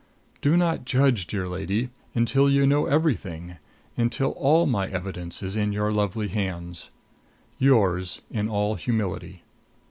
Do not judge, dear lady, until you know everything until all my evidence is in your lovely hands. YOURS, IN ALL HUMILITY.